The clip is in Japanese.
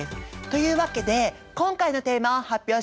というわけで今回のテーマを発表します！